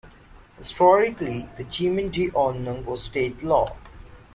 Historically, the Gemeindeordnung was state law.